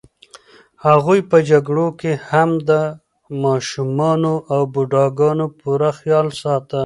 هغوی په جګړو کې هم د ماشومانو او بوډاګانو پوره خیال ساته.